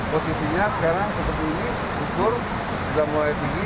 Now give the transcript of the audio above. posisinya sekarang seperti ini ukur sudah mulai tinggi